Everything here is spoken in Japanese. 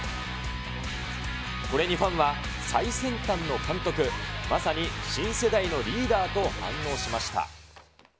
これにファンは、最先端の監督、まさに新世代のリーダーと反応しました。